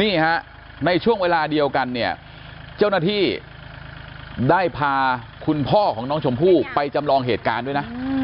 นี่ฮะในช่วงเวลาเดียวกันเนี่ยเจ้าหน้าที่ได้พาคุณพ่อของน้องชมพู่ไปจำลองเหตุการณ์ด้วยนะ